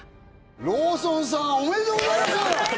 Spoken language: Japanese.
ローソンさんおめでとうございます！